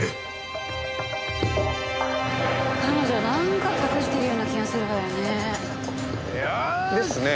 彼女なんか隠してるような気がするのよね。ですね。